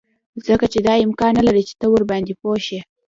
ځکه چې دا امکان نلري چې ته ورباندې پوه شې